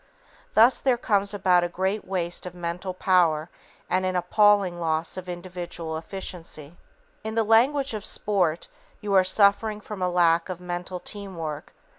_ Thus there comes about a great waste of mental power and an appalling loss of individual efficiency. [Sidenote: Training for Mental "Team Work"] In the language of sport, you are suffering from a lack of mental "team work."